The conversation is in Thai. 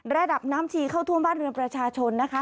ระดับน้ำชีเข้าท่วมบ้านเรือนประชาชนนะคะ